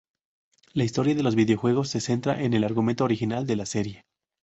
La historia de los videojuegos se centra en el argumento original de la serie.